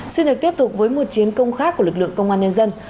xin được tiếp tục với một chiến công khác của lực lượng công an nhân dân